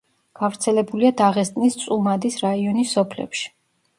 გავრცელებულია დაღესტნის წუმადის რაიონის სოფლებში.